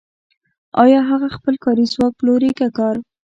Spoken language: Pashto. آیا هغه خپل کاري ځواک پلوري که کار